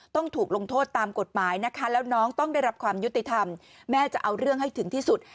ต้องถูกลงโทษตามกฎหมายนะคะแล้วน้องต้องได้รับความยุติธรรมแม่จะเอาเรื่องให้ถึงที่สุด